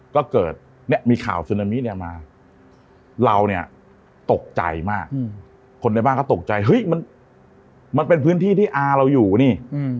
ก็เกิดมีข่าวซึนามีมาเราตกใจมากคนในบ้านก็ตกใจมันเป็นพื้นที่ที่อาเราอยู่นี่